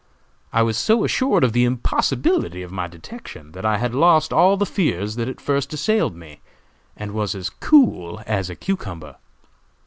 I was so assured of the impossibility of my detection that I had lost all the fears that at first assailed me, and was as cool as a cucumber.